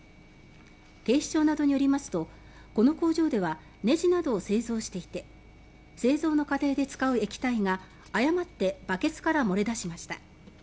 警視庁などによりますとこの工場ではねじなどを製造していて製造の過程で使う液体が誤ってバケツから漏れ出しました。